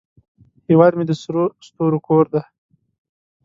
هیواد مې د سرو ستورو کور دی